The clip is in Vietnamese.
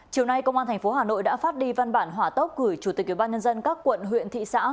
chiều nay công an tp hà nội đã phát đi văn bản hỏa tốc gửi chủ tịch ubnd các quận huyện thị xã